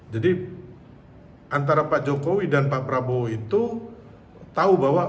jadi antara pak jokowi dan pak prabowo itu tahu bahwa